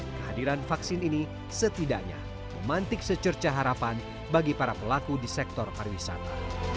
kehadiran vaksin ini setidaknya memantik secerca harapan bagi para pelaku di sektor pariwisata